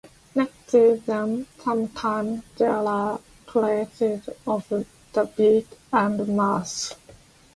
Next to them sometimes there are traces of the beak and mouth.